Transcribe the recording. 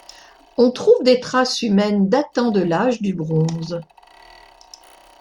On trouve des traces humaines datant de l'âge du bronze.